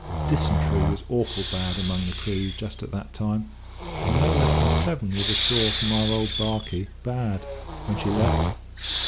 Dysentery was awful bad among the crews just at that time, and no less than seven was ashore from our old barkie bad, when she left.